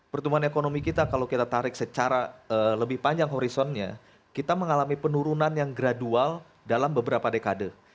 pertumbuhan ekonomi kita kalau kita tarik secara lebih panjang horizonnya kita mengalami penurunan yang gradual dalam beberapa dekade